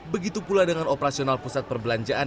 begitu pula dengan operasional pusat perbelanjaan